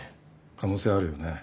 可能性あるよね。